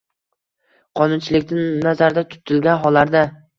qonunchilikda nazarda tutilgan hollarda.